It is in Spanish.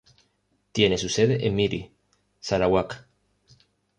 Tiene su sede en Miri, Sarawak.